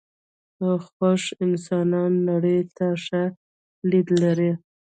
خوښ انسانان نړۍ ته ښه لید لري .